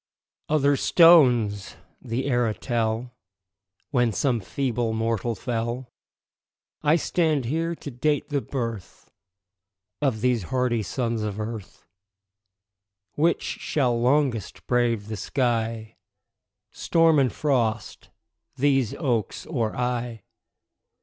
Other stones the era tell When some feeble mortal fell; I stand here to date the birth Of these hardy sons of earth. Which shall longest brave the sky, Storm and frost these oaks or I?